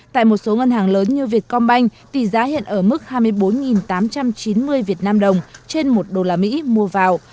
tại một số ngân hàng lớn như vietcombank tỷ giá hiện ở mức hai mươi bốn tám trăm chín mươi vnđ trên một usd mua vào